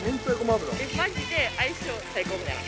マジで相性最高みたいな。